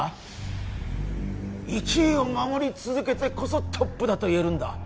１位を守り続けてこそトップだと言えるんだ。